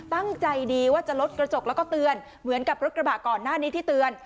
ตั้งใจดีว่าจะลดกระจกแล้วก็เตือนเหมือนกับรถกระบะก่อนหน้านี้ที่เตือน